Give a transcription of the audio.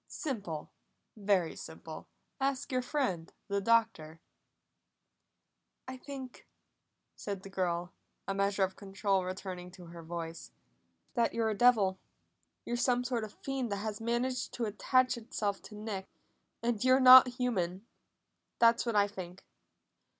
"Simple! Very simple! Ask your friend the Doctor!" "I think," said the girl, a measure of control returning to her voice, "that you're a devil. You're some sort of a fiend that has managed to attach itself to Nick, and you're not human. That's what I think!"